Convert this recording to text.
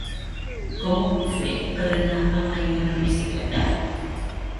Com ho puc fer per anar a Alaior amb bicicleta?